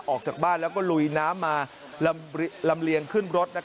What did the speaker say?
ออกจากบ้านแล้วก็ลุยน้ำมาลำเลียงขึ้นรถ